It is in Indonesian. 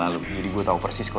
aku pikir bahwa itu memuruskan